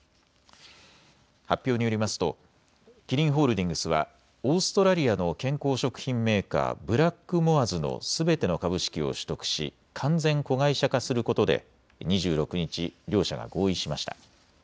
発表によりますとキリンホールディングスはオーストラリアの健康食品メーカー、ブラックモアズのすべての株式を取得し完全子会社化することで２６日、両社が合意しました。